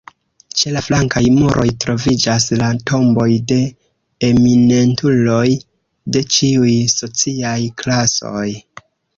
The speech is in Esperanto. Ĉe la flankaj muroj troviĝas la tomboj de eminentuloj de ĉiuj sociaj klasoj.